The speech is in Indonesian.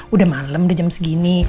udah malam udah jam segini